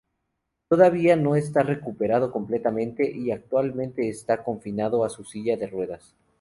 Todavía no está recuperado completamente y actualmente está confinado a su silla de ruedas.